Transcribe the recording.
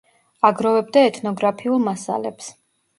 აგროვებდა ეთნოგრაფიულ მასალებს.